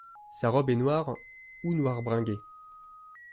Sa robe est noire ou noir bringé.